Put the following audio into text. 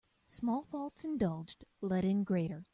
Small faults indulged let in greater.